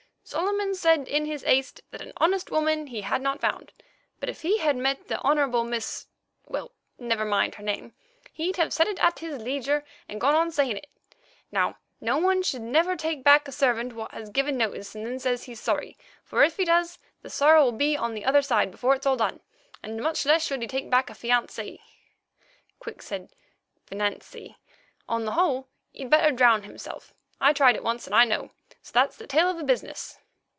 Solomon said in his haste that an honest woman he had not found, but if he had met the Honourable Miss—well, never mind her name—he'd have said it at his leisure, and gone on saying it. Now, no one should never take back a servant what has given notice and then says he's sorry, for if he does the sorrow will be on the other side before it's all done; and much less should he take back a fiancée (Quick said a 'finance'), on the whole, he'd better drown himself—I tried it once, and I know. So that's the tail of the business.